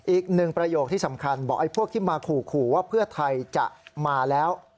อีกหนึ่งประโยคที่สำคัญบอกไอ้พวกที่มาขู่ว่าเพื่อไทยจะมาแล้ว